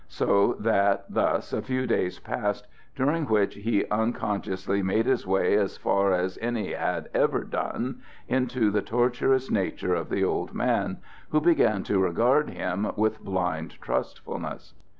So that thus a few days passed, during which he unconsciously made his way as far as any one had ever done into the tortuous nature of the old man, who began to regard him with blind trustfulness.